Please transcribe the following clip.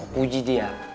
kau puji dia